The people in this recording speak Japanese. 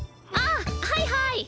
あはいはい。